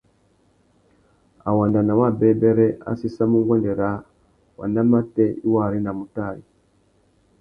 A wanda nà wabêbêrê, a séssamú nguêndê râā : wanda matê i wô arénamú tari ?